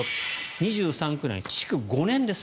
２３区内、築５年です。